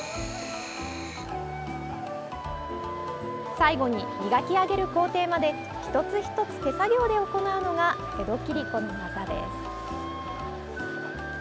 最後に磨き上げる工程まで一つ一つ手作業で行うのが江戸切子の技です。